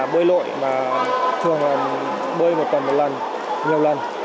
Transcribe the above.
bơi lội mà thường bơi một tuần một lần nhiều lần